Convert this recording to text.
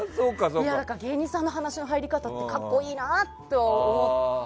芸人さんの話の入り方って格好いいなと思って。